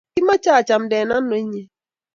Kimache achamnden ano inye